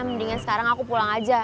mendingan sekarang aku pulang aja